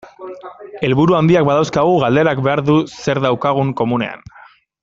Helburu handiak badauzkagu, galderak behar du zer daukagun komunean.